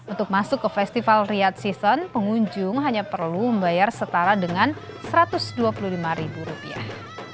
untuk masuk ke festival riyad season pengunjung hanya perlu membayar setara dengan satu ratus dua puluh lima ribu rupiah